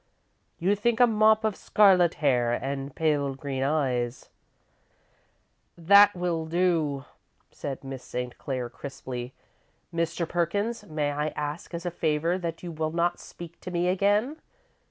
"You think a mop of scarlet hair And pale green eyes " "That will do," said Miss St. Clair, crisply. "Mr. Perkins, may I ask as a favour that you will not speak to me again?"